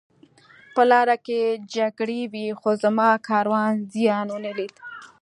په لاره کې جګړې وې خو زموږ کاروان زیان ونه لید